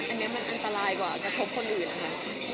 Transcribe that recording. อันนี้มันอันตรายกว่ากระทบคนอื่นนะคะ